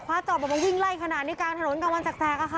จอบออกมาวิ่งไล่ขนาดนี้กลางถนนกลางวันแสกอะค่ะ